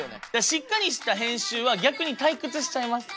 しっかりした編集は逆に退屈しちゃいます。